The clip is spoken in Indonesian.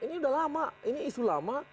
ini udah lama ini isu lama